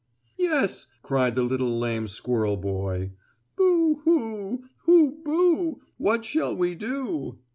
"Yes!" cried the little lame squirrel boy, "Boo hoo! Hoo boo what shall we do?"